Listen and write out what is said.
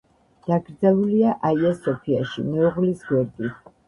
დაკრძალულია აია-სოფიაში მეუღლის გვერდით.